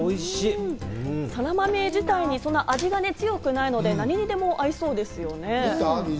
そらまめ自体の味が強くないので、何にでも合いそうですね。